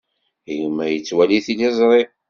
Gma yettwali tiliẓri.